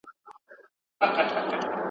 تاریخي پېښې د انسانانو د تجربو برخه ده.